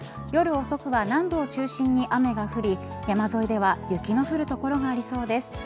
夜遅くは南部を中心に雨が降り山沿いでは雪の降る所がありそうです。